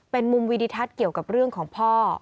เป็นมุมวิดิทัศน์เกี่ยวกับเรื่องของพ่อ